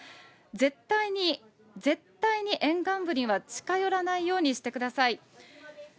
絶対に、絶対に沿岸部には近寄らないようにしてください。